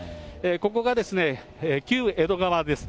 ここが旧江戸川です。